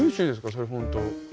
それ本当。